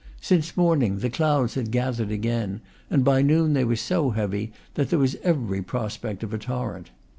Since morning the clouds had gathered again, and by noon they were so heavy that there was every prospect of a torrent.